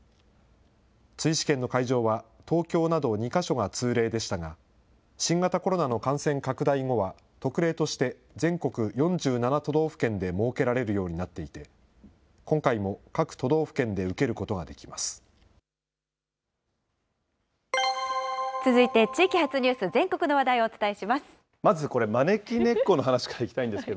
追試験の会場は東京など２か所が通例でしたが、新型コロナの感染拡大後は、特例として全国４７都道府県で設けられるようになっていて、今回も各都道府県で受けることができます。